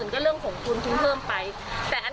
ก็เรื่องของคุณเพิ่มไป๑๐๐๐๐๐๙๐๐๐๐๐ค่ะ